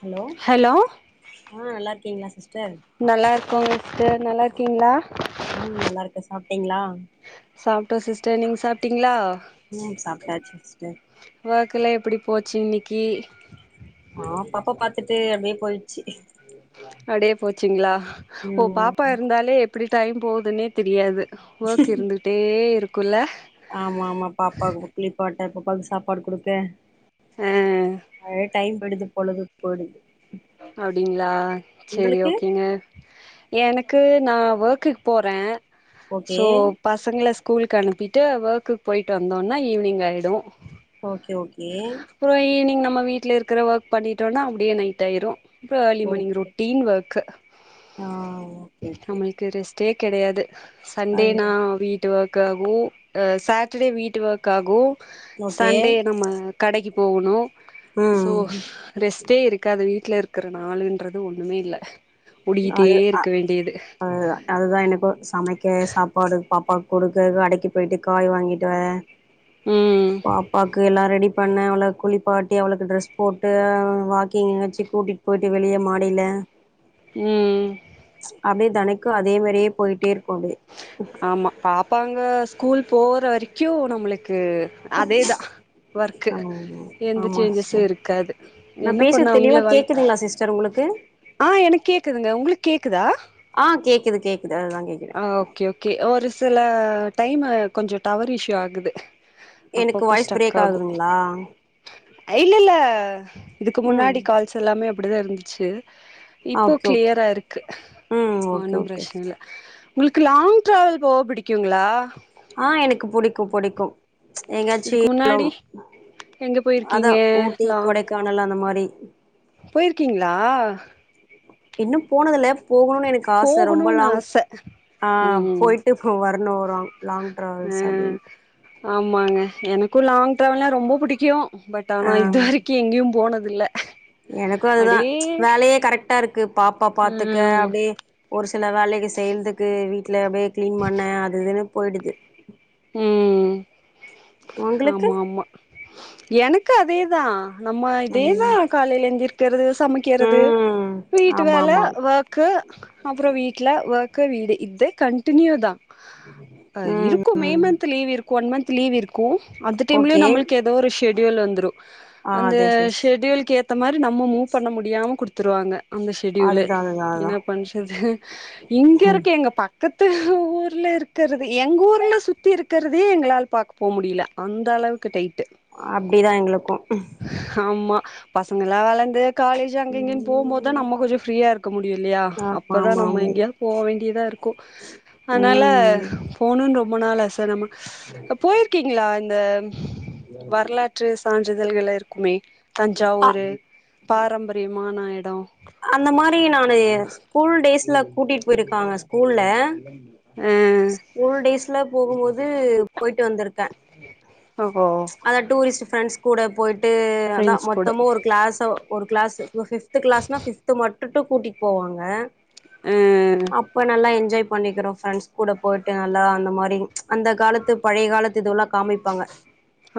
Hello ஆ நல்லா இருக்கீங்களா சிஸ் நல்லா இருக்கோங்க சிஸ்டர் நல்லா இரு க்கீங்களா? ம் நல்லா இருக்கே சாப்டீங்களா? சாப்ட்டோ சிஸ்டர் நீங்க சாப்ட்டீங்களா? ம் சாப்ட்டாச்சு சிஸ்டர். ஒர்க் எல்லா எப்படி போச்சு இன்னக்கி? ஆ பாப்பா பாத்துட்டு அப்டியே போயிடுச்சி. அப்டியே போச்சுங்களா? ஓ ம் பாப்பா இருந்தாலே எப்டி டைம் போதுன்னே தெரியாது. ஒர்க் இருந்துட்டே இருக் கு இல்ல? ஆமா ஆமா பாப்பாவுக்கு குளிப்பாட் ட பாப்பாக்கு சாப்பாடு குடுக்க ஆ அது டைம் போய்டுது பொழுது போய்டுது அப்டிங்களா செரி ஓகேங்க. எனக் கு நான் ஒர்க்குக்கு போறே ஓகே சோ பசங்கள ஸ்கூலுக்கு அனுப்பிட்டு ஒர்க்குக்கு போயிட்டு வந்தோன்னா ஈவினிங் ஆயிடு ஓகே ஓகே ம வீட்ல இருக்கற ஒர்க் பண்ணிட்டோன்னா அப்டியே நை ட்டாயிரு அப்றோ early morning okay routine work ஆ ஓகே ஓகே நம்மளுக்கு ரெஸ் ட்டே கெடையாது சண்டேனா அதுதா வீட்டு வொர்க் காகு ஆ சாட்டர்டே வீட்டு ஒர்க் ஆகு ஓகே சண்டே நம்ம கடைக்கி போகணு சோ ம் ரெஸ்ட்டே இருக் அது வீட்ல இருக்கிற நாளுன்றது ஒண்ணுமே இல்ல ஓடிக்கிட்டே அது அ இருக்க வேண்டியது ஆ அதுதா எனக்கு சமைக்க சாப்பாடு பாப்பாக்கு கொடுக்கறது அடைக்கு போய்ட்டு காய் வாங்கிட்டு வர ம் பாப்பாக்கு எல்லா ரெடி பண்ண அவள குளிப்பாட்டி அவளுக்கு ட்ரெஸ் போட்டு அவள வாக்கிங் எங்கயாச்சு கூட்டிட்டு போயிட்டு வெளிய மாடியில ம் அப்டியே தெனைக்கு அதே மாரியே போய்ட்டே இருக்கு அப்டியே ஆமா பாப் பாங்க ஸ்கூல் போற வரைக்கு நம்மளுக் கு அதேதா ஒர்க்கு ஆமா எந்த ஆமா சேஞ்சஸு சிஸ்டர் இருக்காது நா என்ன பண்ண பேசுறது தெளிவா அவுங்கள வளத் கேக்குதுங்களா சிஸ்டர் உங்களுக்கு ஆ எனக்கு கேக்குதுங்க உங்களுக்கு கேக்குதா? க்குது கே ஆ ஓகே ஓகே ஒரு சில டைமு கொஞ்சோ டவர் இஷ்யூ ஆகுது எனக்கு அப்பப்போ வாய்ஸ் பிரேக் ஆகுதுங்ளா ஐ இல்லல்ல இதுக்கு முன்னாடி கால்ஸ் எல்லாமே அப் படிதா இருந்துச்சு இப்போ ஓகே ஓகே கிளியரா இருக்கு ம் ஓகே ஒன்னு ஓகே பிரச்சன இல்ல உங்களுக்கு லாங் டிராவல் போக பிடிக்குங்களா ஆ எனக்கு புடிக்கு புடிக்கு எங்காச்சி இதுக்கு முன்னாடி லவ் எங்க அதா போயிருக்கீங்க ஊட்டி லாங் கொடைக்கானல் அந்த மாரி போயிருக்கீங்களா இன்னு போனதுல போகணுனு எனக்கு ஆச ரொம்ப போகணும்னு லாங் ஆச ஆ ம் போயிட்டு வரணு ஒரு லாங் ஆ ட்ராவல்ஸ் அப்டினு ஆமாங்க எனக்கு லாங் டிராவல்னா ரொம்ப புடிக்கு பட் ஆ ஆனா இது வரைக்கு எங்கேயு போனது தில்ல எனக்கு அதுதா வேலயே கரெக்டா இருக்கு பாப்பா பாத்துக்க ம் அப்டியே ஒருசி சில வேலைக செய்றதுக்கு வீட்ல அப்டியே கிளீன் பண்ண அதுஇதுனு போயிடுது உ உங்களுக்கு ஆமா ஆமா எனக்கு அதே தா நம்ம இதேதா ம் காலேல எந்திரி கிறதுச் சமக்கிறது ம் வீட்டு ஆமா வேல ஆமா ஒர்க்கு அப்றோ வீட்ல ஒர் க்கு வீடு இதே கண்டினியூ தா அ இரு ம் கு மே ம் மந்த் லீவ் இருக் கு ஒன் மந்த் லீவ் இருக்கு அந்த ஓகே டைமலயு நம்மளுக்கு ஏதோ ஒரு ஷெட் யூல் வந்துரு ஆ அந்த அது எஸ் ஷெட்யூலுக்கு யேத் த்த மாரி நம்ம மூவ் பண்ண முடியாம குடுத்துருவாங்க அந்த செடியூலு அதுதா அதுதா அதுதா என்ன பண்ஷன்து இங்க இருக்க எங்க பக் பக்கத்து ஊர்ல இருக்கிறது எங்க ஊர்ல சுத்தி இருக்கிறதே எங்களால் பாக்க போ முடில அந்த அளவு அப்டிதா எங்களுக்கு பசங்கலாவலந் து காலேஜு அங்கஇங்கனு போம் போதுதா ம் நம்ம கொஞ்சோ ஃப்ரீயா இருக்க முடியு இல்லயா ஆமா அப்பதா ஆமா நம்ம ஆமா எங்கயாது போ வேண்டியதா இருக்கு அதுனால ம் போனுன்ற ரொம்ப நாள் ஆச நம்ம போயிருக்கீங்ளா இந்த வரலாற்று சான் ருதல்கள இருக்குமே அ தஞ்சாவூரு பாரம்பரியமான எட அந்த மாரி நானு ஸ்கூல்டே ஸ்ல கூட்டிட்டு போயிருக்காங்க ஸ்கூல்ல ஆ ஸ்கூல் டேஸ்ல போகும்போது போயிட்டு வந்திருக்கே ஓஹோ ச் அதா டூரிஸ்ட் ஃபரெண்ஸ் கூட போயிட் டு அதா ஃப்ரெண்ட்ஸ் கூட மொத்தமு ஒரு கிளாஸோ ஒரு கிளாஸு ஃபுல்லா ஃபிவ் டு டு கூட்டிட்டு போவாங்க ஆ அப்ப நல்லா என்ஜாய் பண்ணிக்கிறோ ஃபரெண்ட்ஸ் கூட போயிட்டு நல்லா அந்த மாரி அந்த காலத்து பழைய காலத்து இதுவெல்லா காமிப்பாங்க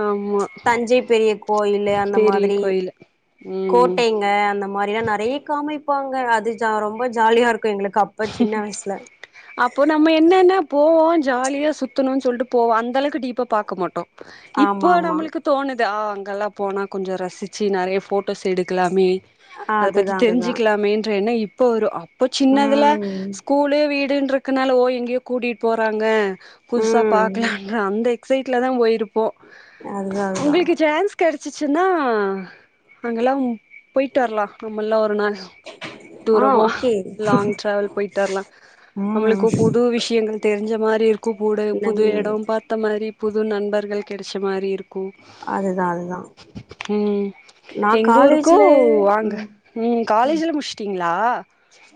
ஆமா தஞ்சை பெரிய கோயிலு அந்த பெரிய மாதிரி கோயிலு ம் கோட்டைங்க அந்த மா நெறைய காமிப்பாங்க அது ஜா ரொம்ப ஜாலியா இருக் கே அப்போ நம்ம என்னென்ன போவோ ஜாலியா சுத்தணுனு சொல்லிட்டு போவோ அந்தளவுக்கு டீப்பா பாக்க மாட்டோ இப்போ ஆமா ஆமா நம்மளுக்கு தோணு ஆ அங்கெல்லா போனா கொஞ்சோ ரசிச்சு நெறைய ஃபோட்டோஸ் எடுக்கலாமே ஆ அத பத்தி அதுதா அதுதா தெரிஞ்சுக்கலாமேன்ற என்னோ இ ப்போ வரு அப் போச்சின்னது துல ம் ஸ்கூலு வீடு ன்றக்கனால ஓ எங்கேயோ கூட்டிட்டு போறாங்க புதுசா ம் பாக்கலான்ற அந்த எக்ஸைட்ல தா போயிரு போ அதுதா அதுதா உங்களுக்கு சான்ஸ் கிடச் ச்சுச்சுன்னா அங்கல்லாம் போயிட்டு வரலா நம்மல்லா ஒரு நாள் ஆ தூரமா ஓகே லாங் ட்ராவல் போயிட்டு வரலா ம் நம்மளுக்கு புது விஷயங்கள் தெரிஞ்ச மாரி இருக்கு கூட புது இல்லங்க எடோ பாத்த மா ரி புது நண்பர்கள் கெடைச்ச மாரி இருக் கு அதுதா அதுதா ம் நா எங்க ஊருக்கு காலேஜ்ல வாங்க ம் ம் காலேஜ் எல்லா முடிச்சுட்டீங்க ளா?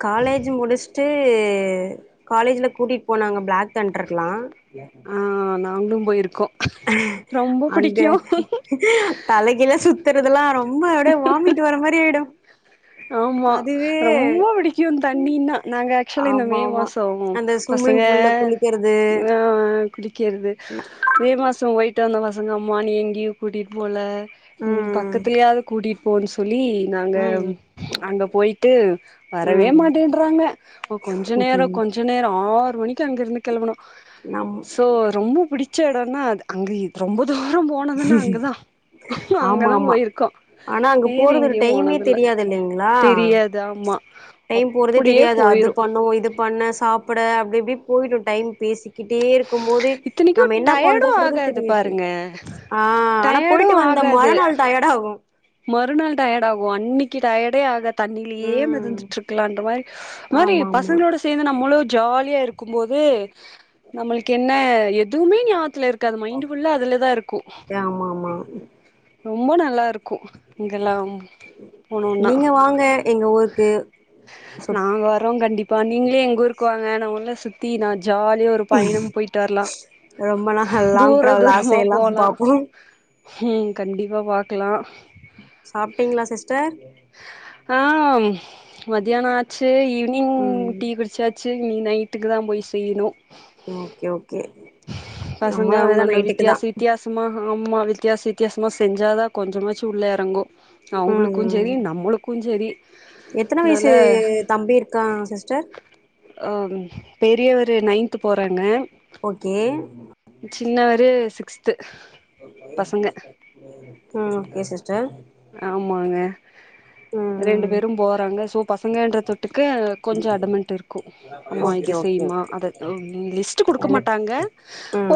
காலேஜு முடிச் சு காலேஜ்ல கூட்டிட்டு போனாங்க பிளாக் தண்டர்லா பிளாக் தண்டர் ஆ [inaudible] நாங்களு போயிருக்கோ ரொம்ப அங்க புடிக்கு தலைகீழா சுத்துறதுெல்லா ரொம்ப அப்டியே வாமிட் வர மாரி ஆயிடு ஆமா அதுவே ரொம்ப புடிக்கு தண்ணினா நாங்க ஆக்சுவலி இந்த ஆமா மே ஆமா மாசோ அந்த பசங்க ஸ்விம்மிங் பூல்ல குளிக்கிறது ஆ க்கிறது மே மாசோ வைட் ட்டு இந்த பசங்க அம்மா நீ எங்கயு கூட்டிட்டு போல ம் பக்கத்துலயாவது கூட்டிட் போகுலி சொ ல்லி நாங்க ம் அங்க போயிட்டு வரவே ம் மாட்டேன்றாங்க அம்மா கொஞ்ச நேரோ கொஞ்ச நேரோ ஆறு மணிக்கி அங்க இருந்து கெளம்புனோ நம் சோ ரொம்ப புடிச்ச எடம்னா அது அங்க இ ரொம்ப தூரம் போனதுன்னா அங்கதா ஆமா அங்கதா ஆமா போயிருக்கோ வேற எங்கயு போனதில்ல களா தெரியாது ஆமா டைம் போறதே அப்படியே தெரியாது அது போயிரு பண்ணுவோ இது பண் பண்ண சாப்பட அப்டி இப்டி போயிடு டைம் பேசி கிட்டே இருக்கும் போது இத்தனைக்கு நம்ம என்ன டயர்டு பண்றோன்றது ஆகாது தெரியாது பாருங்க ஆ ஆனா டயர்டு போயிட்டு வந்த ஆகாது மறாநாள் டயர்டு ஆகு மறுநாள் டயர்டு ஆகு அன்னக்கி டயர்டே ஆகா தண்ணிலயே ம் மெதந்துட்டு இருக்கலான்ற மாரி ஒரு மாரி ஆமா ஆமா பசங்களோட சேந்து நம்மளு ஜாலியா இரு க்கும்போது நம்மளுக்கு என்ன எ துமே ஞாபகத்துல இரு க்கன் மைண்ட்டு ஃபுல்லா அதுல தா இருக்கு ஆமா ஆமா ரொம்ப நல்லா இருக் கும் இங்கெல்லாம் போனோனா நீங்க வாங்க எங்க ஊருக்கு சுத் நாங்க வரோ கண்டிப்பா நீங்களே எங்க ஊருக் பாநே நா ஒன்ன சுத்தி நா ஜாலிய ஒரு பயணம் போயிட்டு வர்லா ரொம்ப நாள் லாங் தூர டிராவல் தூரமா ஆசையெல்லா போலா பாப்போ ஹும் கண்டிப்பா பாக்கலா சாப்ட்டீங்களா சிஸ்டர் ஆஹ்ம் மதியாணொஆச்சு ஈவினிங் ம் டீ குடிச்சா ச்சு இனி நைட்டுக்கு தா போய் செய்ணு ஓகே ஓகே நம்மளு அததா நைட்டுக்கு தா ம்மா வித்தியாச வித்தியாசமா செஞ்சாதா கொஞ்சமாச் உள்ள எறங்கு ம் அவங்களுக்குஞ் ம் செரி நம்மளுக்குஞ் செரி எத்தன நல்ல வயசு தம்பி இருக்கா சிஸ்டர் அ பெரியவரு நையின்து போறாங்க ஓகே ந்து சிக்ஸ்த் ம் கே சிஸ் ஆமாங்க ரெண்டு ம் ம் பேரு போறாங்க சோ பசங்கன்ற தொட்டுக்கு கொஞ்சொ அடமன்ட்டு் இருக்கு ஆம்மா இத ஓகே ஓகே செய்யுமா ஓகே அத லிஸ்ட் குடுக்க எனக் மாட்டாங்க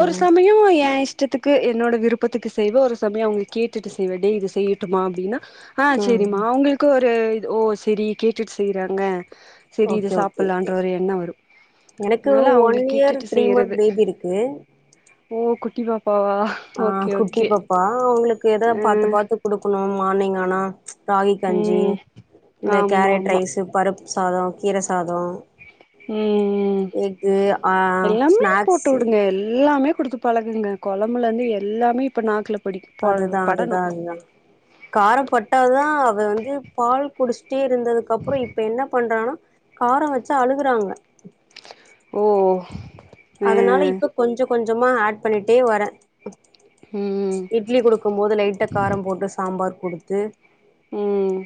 ஒரு சமய ஏ இஷ்டத்துக்கு என்னோட விருப்பத்துக்கு செய்வெ ஒரு சமய அவங் கேட்டுட்டு செய்வ டே லிஸ்ட் ட்டுமா அப்டின்னா ஆ ம் செரிமா அவங்களுக்கு ஒரு ம் ஓ சரி கேட்டுட்டு செய்றாங்க செரி இது ஓகே ஓகே ஓகே சாப்புட்லான்ற ஒரு எண்ணோ வரு எனக்கு அதனால ஒன் அவங்களுக்கு இயர் கேட்டுட்டு த்ரீ மந்த் செய்யறது பேபி இருக்கு ஓ குட்டி பாப் பாவா ஓகே ஓகே டியே ஆ தா பாத்து பாத்து கொடுக் குணு மார்னிங்கானா ராகி கஞ்சி ம் இந்த ஆமா கேரட் ஆமா ரைஸ் பருப் சாதொ கீர சாதொ ம் ம் ஆ எல்லாமே போட்டு ஸ்நாக்ஸு டுங்க எல்லாமே குடுத்து பழகுங்க கொழம்புல இருந்து எல்லாமே இப்ப நாக்குல படி ப அதுதா படணு அதுதா அதுதா கார பட்டாதா அவ வந்து பால் குடிச்ட் டே இருந்ததுக்கப்றொ இப்ப என்ன பண்றானா கார வச்சா அழுகுறாங்க ஓ அ அதனால இப்ப கொஞ்ச கொஞ்சமா ஆட் பண்ணிட்டே வரே ம் இட்லி குடுக்கும் போது லைட்டா காரம் போட்டு சாம்பார் குடுத்து ம்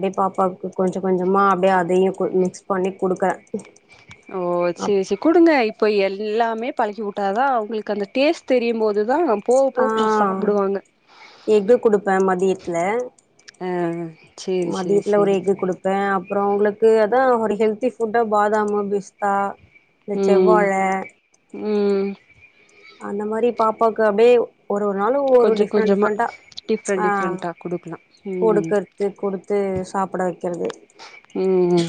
அப்டியே பாப்பாக்கு கொஞ்ச கொஞ்சமா அப்டியே அதையு மிக்ஸ் பண்ணி குடுக்கறே ஓ சேரி சேரி குடுங்க இப்போ எல் ல்லாமே பழக்கிவுட்டா தா அவங்களுக்கு அந்த டேஸ் தெரியும்போது தா ஆ எஃகு குடுப்பே மதியத் த்ல ஆ சேரி சேரி சேரி அப்ற உங்களுக்கு அதா ஒரு ஹெல்தி ஃபுட்டா பாதாமு பிஸ்தா இந்த ம் செவ்வாழ ம் அந்த மாரி பாப்பாக்கு அப்டியே ஒரு ஒரு நாளு ஒரு கொஞ்ச டிஃப்ரெண்ட் கொஞ்சமா டிஃப்ரெண்ட்டா டிஃப்ரெண்ட் ஆ டிஃப்ரெண்ட்டா குடுக்கலா ம் கொடுக்கறது கொடுத்து சாப்ட வக்கறது ம்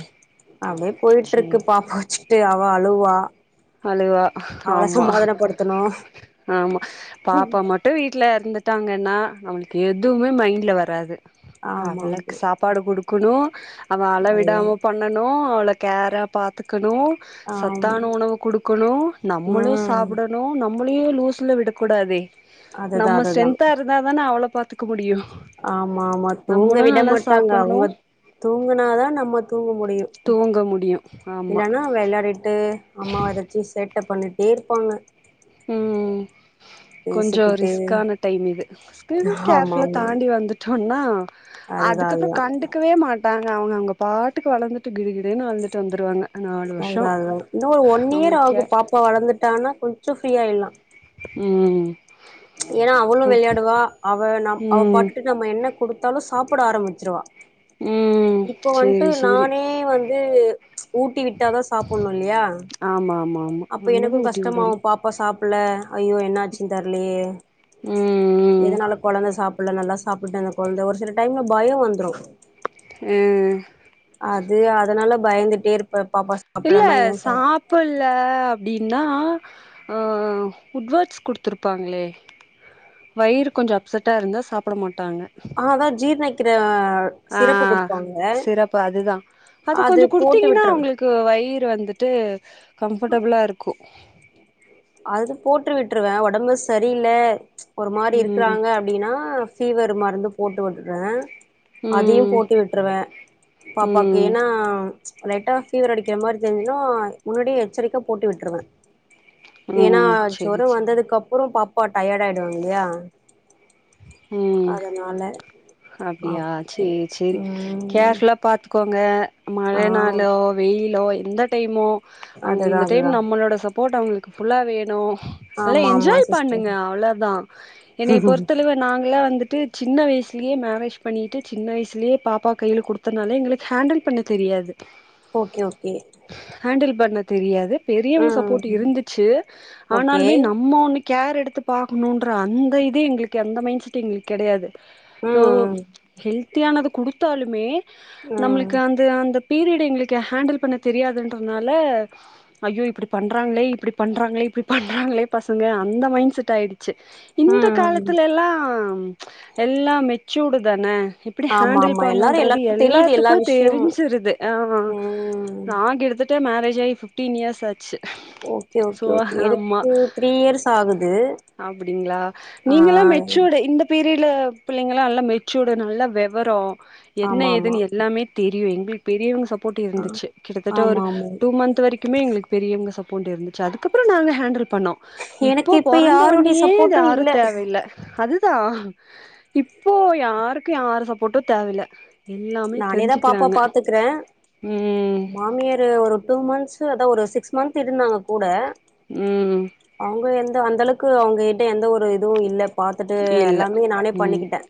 அப்டியே சேரி போய்ட்ருக்கு பாப்பாச்சு து அவ அழுவா அழுவா அவள ஆமா சமாதானப்படுத்தணு ஆமா பாப்பா மட்டு வீட்ல இருந்துட்டாங்கன்னா நம்மளுக்கு எதுவுமே மைண்ட்ல வராது ஆமா ஆமா அவளக்கு சாப்பாடு குடுக்கணு அவ அதுதா அளவிடாம பண்ணணு அவள கேரா பாத்துக்கணு ஆம் சத்தான உணவு குடுக்குணு நம்மளு ம் சாப்டணு நம்மளையு லூஸ்ல விடக்கூடாதே அதுதா நம்ம ஸ்ட்ரென்தா இருந்தா தானே அவ்ள பாத்துக்க முடியு ஆமாமா தூங்க நம்மளு விட நல்லா மாட்டாங்க சாப்பட்ணு அவுங்க தூங்குனாதா நம்ம தூங்க முடியு தூங்க முடியு ஆமா இல்லனா விள்ளரிட்டு அம்மா வர சின்டெக்ஸ் ட்ட பண்ணிட்டே இருப்பாங்க ம் ம் கொஞ்சொ பேசிக்கிட்டு ரிஸ்க்கான டைம் இது ஸ்கின் ஆமா கேர்லா ஆமா தாண்டி வந்துட்டொ ன்னா அதுதா அதுக்கப்றொ அதுதா கண்டுக்கவே மாட்டா ங்க அவுங்க பாட்டுக்கு வளந்துட்டு கிடுகிடுன்னு வளந்துட்டு வந்துருவாங்க நாலு வருஷோ அதா அதா இன்னு ஒரு ஒன் அவங்க இயர் கே ஆகு பாப்பா வளந்துட்டானா கொஞ்சொ ஃப்ரீயாயில்லா ம் ஏனா அவளு ம் வெள்யாடுவா அவ நம் அவ ம் பாட்டுட்டு நம்ம என்ன குடுத்தாலு சாப்புட ஆரம்மிச்சுருவா ம் இப்பொ வன்ட்டு சேரி சேரி நானே வந் ந்து ஊட்டி விட்டாதா சாப்புன்னு இல்லியா ஆமா ஆமா ஆமா அப்ப எனக்கு நம்மதா ஊட்டி கஷ்டமாவு விடணு பாப்பா சாப் புல்ல ஐயோ என்ன ஆச்சுன் தெர் லியே ம் ம் எதுனால கொழந்த சாப் புல்ல நல்லா சாப்புட்ட அந்த கொழ்ந்த ஒரு சில டைம்ல பய வந்துரு ம்‌ அது அதனால பயந்துட்டே இருப் இல்ல சாப்புல்ல அப்டின் னா ஆ உட்வட்ஸ் குடுத்துருப்பாங்ளே வயிறு கொஞ்சொ அப்செட்டா இருந்தா சாப்புட மாட் ஆ அதா ஜீர்னக் கிற ஆ சிரப்பு அதுதா அத அது கொஞ்சொ போட்டு குடுத்தீங்கனா விட்றது அவுங்ளுக்கு வயிறு வந்துட்டு கம்ஃபர்டபுளா இருக்கு அது போட்ரு விட்ருவே ஒடம்பு சரியில்ல ஒரு மாரி ம் இருக்குறாங்க அப்டீனா ஃபீவர் மருந்து போட்டுவுட்டுறே அதயு ம் போட்டு விட்ருவே பாப்பாக்கு ம் என்னா லைட்டா ஃபீவர் அடிக்கிற மாரி தெருஞ்சுனோ முன்னாடியே எச்சரிக்கா போட்டு விட்ருவெ ஏனா ம் ஜொர செரி செ வந்ததுக்கப் புறொ பாப்பா டயர்ட் ஆயிடுவாங்க இல்லியா ம் அப்டியா அப் சே சேரி ம் கேர்ஃபுலா பாத்து கோங்க மழ ஆ நாளோ வெயிலோ எந்த டைமோ அவுங்க அதுதா இந்த அதுதா டைம் நம்மளோட சப் ஃபோட்டா அவங்களுக்கு ஃபுல்லா வேணு நல்லா ஆமா ஆமா என்ஜாய் பண்ணுங்க சிஸ்டர் அவ்ளதா என்னைய பொறுத்தளவு எங்கள வந்துட்டு சின்ன வயசுலே மேரேஜ் பண்ணிட்டு சின்ன வயசுலே பாப்பா கைல குடுத்தனால எங்களுக்கு ஹேண்டில் பண்ண தெரியாது ஓகே ஓகே ஹேண்டில் பண்ண தெரியாது பெரியவங்க சப்போட் ம் இருந்துச்சு ஓகே ஆனாலுமே நம்ம ஒன்னு கேர் எடுத்து பாக்கணூன்ற அந்த இதே எங்ளு கு அந்த மைண்ட் செட் எங்களுக்கு கெடையாது சோ ம் ஹெல்த்தி ஆனது குடு த்தாலுமே ம் ம் நம்ளுக்கு அந்து அந்தப் பீரியட் எங்களுக்கு ஹேண்டில் பண்ண தெரியாதுன்றதுனால ஐயோ இப்டி பண்றாங்களே இப்டி பண்றாங்களே இப்டி பண்றாங்களே பசங்க அந்த மைண்ட் செட் ஆயிடு ச்சு இந்த ம் காலத் ம் துலெல்லா ச் எல்லாமே ச்சூடுதான எப்டி ஆமா ஹேண்டில் ஆமா எல்லாரு பண்ணுன்றது எல்லாருக்கு தெரியுது எல்லா எல்லாத்துக்கு விஷயமு தெரிஞ்சிருது ம் நா கிட்ட தட்ட ப மேரேஜாகி ஃபிஃப்டீன் இயர்ஸ் ஆச்சு ஓகே சோ ஓகே ஓகே ஆமா எனக்கு த்ரீ இயர்ஸ் ஆகுது ஆ நீங்கலா மெச்சூர்டு இந்த பீ ரீட்ல பிள்ளைங்கலா நல்லா மெச்சூர்டு நல்லா வெவரோ என்ன ஆமா ஆமா ஏதுனு எல்லாமே தெரி அய்யோ எங்ளுக்கு பெரியவங்க சப் போட்டு ஆ இருந்துச்சு கிட்டத்தட்ட ஒரு ஆமா ஆமா டூ மந்த் வரைக்குமே எங்களுக்கு பெரியவங்க சப் போண்டு இருந்துச்சு அதுக்கப்றோ நாங்க ஹேண்டில் பண்ணோ இப்போ எனக்கு இப்ப பொறந்த யாருடைய ஒன்னயே சப்போர்ட்டு யாரு இல்ல தேவயில்ல அது த்தா இப்போ யாருக்கு யாரு சப்போட்டு தேவயில்ல எல்லாமே நானேதா பாப்பா தெரிஞ்சுக்கிறாங்க பாத்துக்குறே ம் மாமியார் ஒரு டூ மந்த்ஸ்சு அதா ஒரு சிக்ஸ் மந்த் இருந்தாங்க கூட ம் அவங்க என் ன அந்த அளவுக்கு அவங்க கிட்ட எந்த ஒரு இதுவு இல்ல பாத்துட்டு இல்ல எல்லாமே நானே ம் பண்ணிக்கிட்டே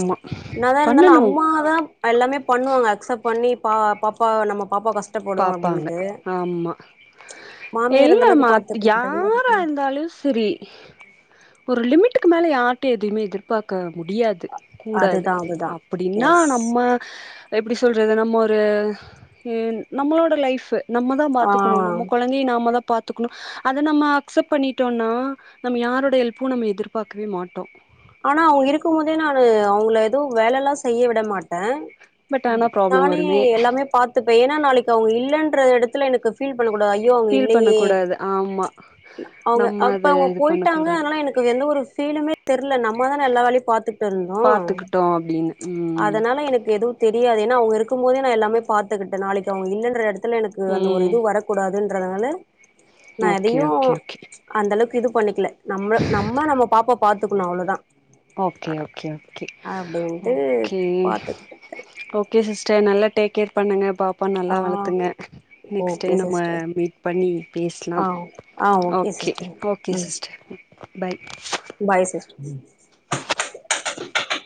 ச் என்னாதா இருந்தாலு பண்ணணு அம்மாதா எல்லாமே பண்ணுவாங்க அக்சப்ட் பண்ணி பா பாப்பாவ நம்ம பாப்பா கஷ்டப்படு பாப்பாங்க அப்டின்ட்டு ஆமா மாமியார் அந்த அளவுக்கு இல்லாம பாத்துக்க யாரா மாட்டாங்கல்ல இருந்தாலும் சரி ஒரு லிமிட்டுக்கு மேல யாருட்டையும் எதுவுமே எதிர்பார்க்க முடியாது கூடாது அதுதா அதுதா அப்படின்னா எஸ் நம்ம எப்படி சொல்றது நம்ம ஒரு நம்மளோட லைஃபு நம்ம தான் ஆ பாத்துக்கணும் நம்ம கொழந்தையை நாம தான் பார்த்துக்கணும் அத நம்ம அக்செப்ட் பண்ணிட்டோம்னா நம்ம யாரோட ஹெல்ப்பும் நம்ம எதிர்பார்க்கவே மாட்டோம் ஆனா அவங்க இருக்கும் போதே நான் அவங்கள ஏதோ வேலை எல்லாம் செய்ய விட மாட்டேன் பட் ஆனா ப்ராப்ளம் நானே வருமே எல்லாமே பாத்துப்பேன் ஏன்னா நாளைக்கு அவங்க இல்லைன்ற இடத்து எனக்கு பீல் பண்ணக்கூடாது ஐயோ அவங்க ஃபீல் பண்ண இல்லையே கூடாது ஆமா அவங்க நம்ம அப்ப அது அவங்க இது பண்ண போயிட்டாங்க கூடாது அதனால எனக்கு எந்த ஒரு பீலுமே இல்ல நம்ம தான எல்லா வேலையும் பார்த்துட் இருந்தோம் பாத்துக்கிட்டோ அப்டின்னு ம் அதனால எனக்கு எதுவும் தெரியாது அவங்க இருக்கும் போதே நான் எல்லாமே பார்த்துக்கிட்டேன் நாளைக்கு அவங்க இல்லைன்ற இடத்து எனக்கு அந்த ஒரு ம் இது வரக்கூடாது என்று என்றதுனால நான் ஓகே எதையும் ஓகே ஓகே அந்த அளவுக்கு இது பண்ணிக்கல நம்மள நம்ம நம்ம பாப்ப இருக்கனும் அவ்ளவுதான் ஓகே ஓகே ஓகே அப்டின்ட்டு ஓகே பாத்துக்கிட்டுருக்கே ஓகே சிஸ்டர் நல்ல டே கேர் பண்ணுங்க பா பாப்பா நல்லா ஆ வளர்த்துங்க நெக்ஸ்ட் ஓகே டைம் நம்ம சிஸ்டர் மீட் பண்ணி ஆ பேசலாம் ஆ ஓகே சிஸ்டர் ஓகே ம் சிஸ்டர் பாய் பாய் சிஸ்டர் [inaudible]